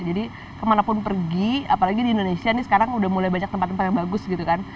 jadi kemanapun pergi apalagi di indonesia nih sekarang udah mulai banyak tempat tempat yang bagus gitu kan